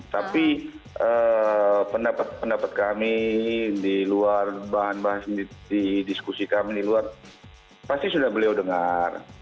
tapi pendapat pendapat kami di luar bahan bahan di diskusi kami di luar pasti sudah beliau dengar